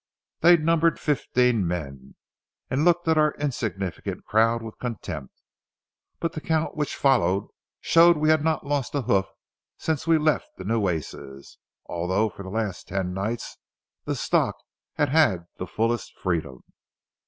They numbered fifteen men, and looked at our insignificant crowd with contempt; but the count which followed showed we had not lost a hoof since we left the Nueces, although for the last ten nights the stock had had the fullest freedom.